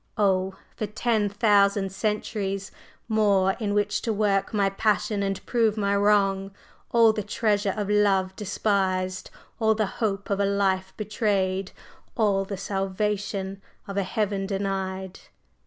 Oh, for ten thousand centuries more in which to work my passion and prove my wrong! All the treasure of love despised! all the hope of a life betrayed! all the salvation of heaven denied!